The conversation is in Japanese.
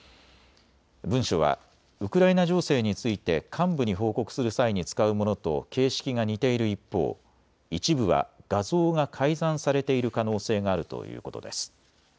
文書はウクライナ情勢について幹部に報告する際に使うものと形式が似ている一方、一部は画像が改ざんされている可能性があるということです。